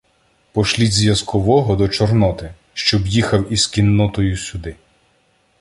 — Пошліть зв'язкового до Чорноти, щоб їхав із кіннотою сюди.